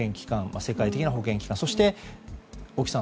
世界的な保健機関そして、大木さん